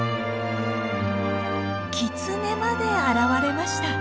キツネまで現れました。